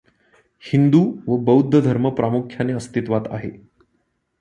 हिंदू व बौद्ध धर्म प्रामुख्याने अस्तित्वात आहे.